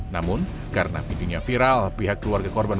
namun karena videonya viral pihak keluarga korban